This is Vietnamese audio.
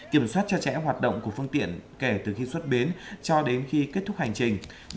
kiểm soát chặt chẽ hoạt động của phương tiện kể từ khi xuất bến cho đến khi kết thúc hành trình